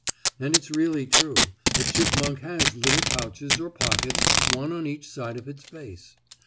And it's really true, a chipmunk has little pouches or pockets one on each side of its face.